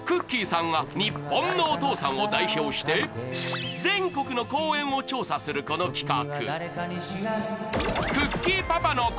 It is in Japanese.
さんが日本のお父さんを代表して全国の公園を調査するこの企画。